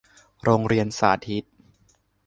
โรงเรียนสาธิต